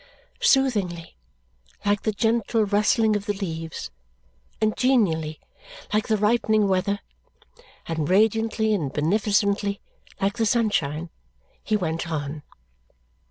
Soothingly, like the gentle rustling of the leaves; and genially, like the ripening weather; and radiantly and beneficently, like the sunshine, he went on.